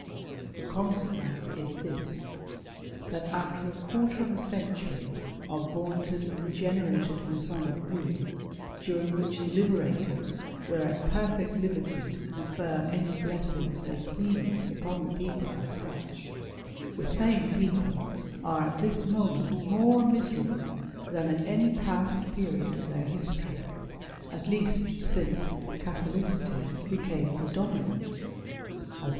The consequence is this, that after a quarter of a century of vaunted " regenerated Masonic rule," during which *'the liberators" were at perfect liberty to confer any blessings they pleased upon the people as such, the same people are at this moment more miserable than at any past period of their history, at least since Catholicity became predominant as the THE INTERNATIONAL, THE NIHILISTS, THE BLACK HAND, ETC.